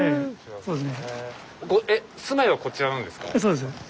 そうですね。